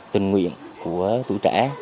tình nguyện của tuổi trẻ